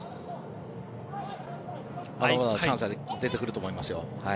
まだまだチャンスは出てくると思いますよ。